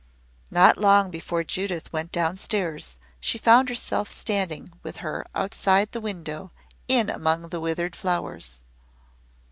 Not long before Judith went down stairs she found herself standing with her outside the window in among the withered flowers.